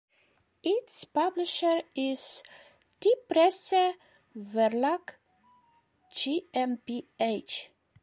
Its publisher is Die Presse Verlag GmbH.